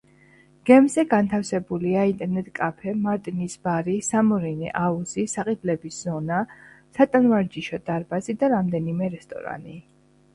გემზე განთავსებულია ინტერნეტ-კაფე, მარტინის ბარი, სამორინე, აუზი, საყიდლების ზონა, სატანვარჯიშო დარბაზი და რამდენიმე რესტორანი.